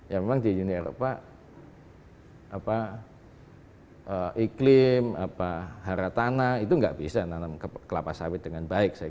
ya memang di uni eropa iklim hara tanah itu nggak bisa nanam kelapa sawit dengan baik